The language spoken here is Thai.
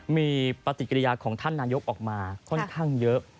มีปฏิกิริยาของท่านนายกออกมาค่อนข้างเยอะ